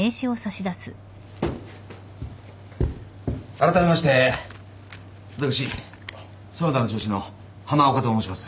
あらためまして私園田の上司の浜岡と申します。